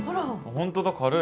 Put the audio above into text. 本当だ軽い。